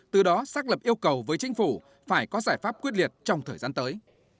từ đó xác lập yêu cầu với chính phủ phải có giải pháp quyết liệt trong thời gian tới